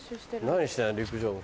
何してんの陸上部。